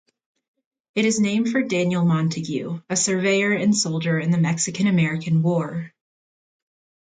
It is named for Daniel Montague, a surveyor and soldier in the Mexican-American War.